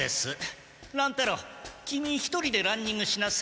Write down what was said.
乱太郎キミ一人でランニングしなさい。